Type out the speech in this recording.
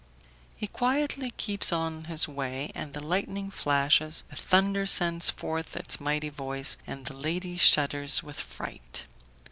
He quietly keeps on his way, and the lightning flashes, the thunder sends forth its mighty voice, and the lady shudders with fright.